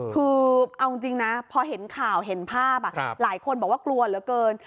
คือเอาจริงนะพอเห็นข่าวเห็นภาพหลายคนบอกว่ากลัวเหลือเกิน